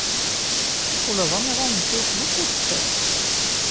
Ula d amiḍan n Facebook ur t-sɛiɣ.